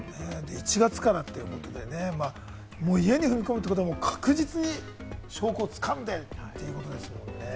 １月からということでね、家に踏み込むということは確実に証拠を掴んでということですもんね。